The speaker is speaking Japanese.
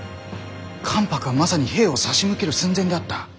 関白はまさに兵を差し向ける寸前であった。